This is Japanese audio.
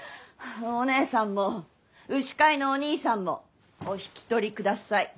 お姉さんも牛飼いのお兄さんもお引き取りください。